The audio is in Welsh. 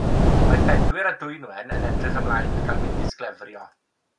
Mae Bedwyr a Dwynwen yn edrych ymlaen at gael mynd i sglefrio.